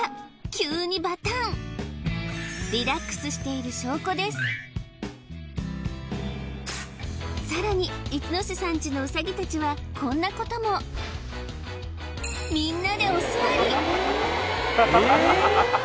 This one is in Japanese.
急にバタンリラックスしている証拠ですさらに一ノ瀬さんちのウサギたちはこんなこともみんなでハハハハハハえ！